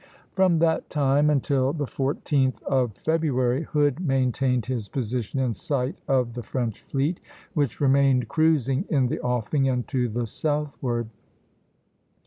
From that time until the 14th of February, Hood maintained his position in sight of the French fleet, which remained cruising in the offing and to the southward.